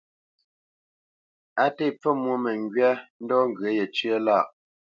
Á tê pfə mwô məŋgywa ndɔ̌ ŋgyə̂ yəcé lâʼ.